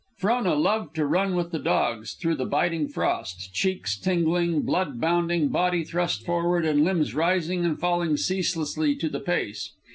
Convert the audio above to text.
Frona loved to run with the dogs through the biting frost, cheeks tingling, blood bounding, body thrust forward, and limbs rising and falling ceaselessly to the pace.